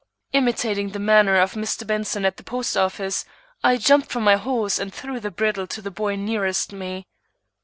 Imitating the manner of Mr. Benson at the post office, I jumped from my horse and threw the bridle to the boy nearest me.